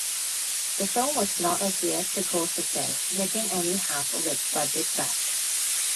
The film was not a theatrical success, making only half of its budget back.